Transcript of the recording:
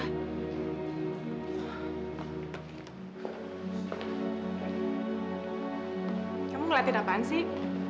kamu ngeliatin apaan sih